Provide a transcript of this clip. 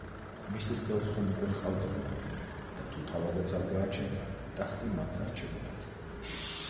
მის რძალს ხომ უკვე ჰყავდა მემკვიდრე და თუ თავადაც არ გააჩენდა ტახტი მათ დარჩებოდათ.